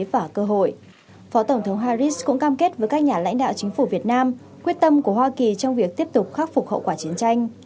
phó tổng thống harris cũng cam kết với các nhà lãnh đạo chính phủ việt nam quyết tâm của hoa kỳ trong việc tiếp tục khắc phục hậu quả chiến tranh